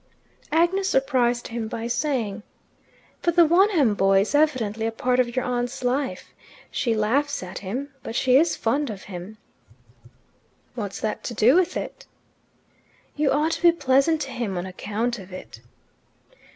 Agnes surprised him by saying, "But the Wonham boy is evidently a part of your aunt's life. She laughs at him, but she is fond of him." "What's that to do with it?" "You ought to be pleasant to him on account of it."